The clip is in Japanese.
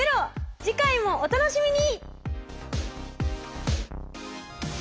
次回もお楽しみに！